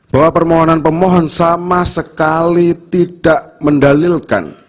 bahwa permohonan pemohon sama sekali tidak mendalilkan